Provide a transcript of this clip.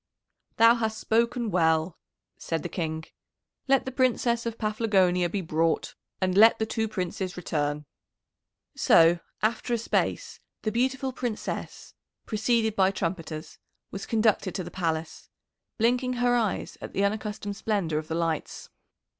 "Thou hast spoken well," said the King. "Let the Princess of Paphlagonia be brought, and let the two Princes return." So after a space the beautiful Princess, preceded by trumpeters, was conducted to the Palace, blinking her eyes at the unaccustomed splendour of the lights.